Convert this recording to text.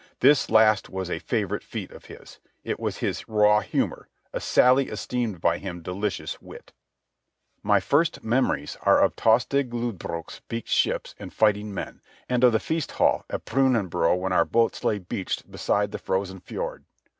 This last was a favourite feat of his. It was his raw humour, a sally esteemed by him delicious wit. My first memories are of Tostig Lodbrog's beaked ships and fighting men, and of the feast hall at Brunanbuhr when our boats lay beached beside the frozen fjord.